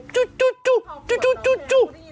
จุ๊บจุ๊บจุ๊บจุ๊บจุ๊บจุ๊บจุ๊บ